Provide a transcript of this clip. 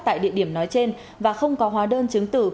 tại địa điểm nói trên và không có hóa đơn chứng tử